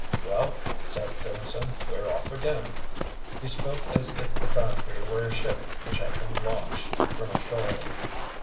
"Well," said Dennison, "we're off again." He spoke as if the factory were a ship which had been launched from a shoal.